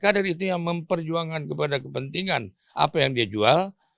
kader itu yang memperjuangkan kepada kepentingan apa yang dia jual